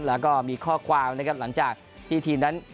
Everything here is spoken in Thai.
แล้วก็มีข้อความนะครับหลังจากที่ทีมนั้น